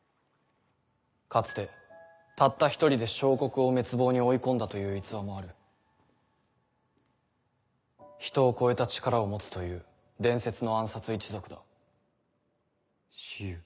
かつてたった１人で小国を滅亡に追い込んだという逸話もある人を超えた力を持つという伝説の暗殺一族蚩尤。